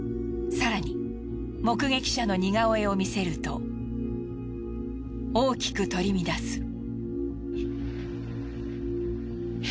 更に目撃者の似顔絵を見せると大きく取り乱す。